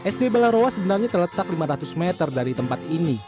sd balarowa sebenarnya terletak lima ratus meter dari tempat ini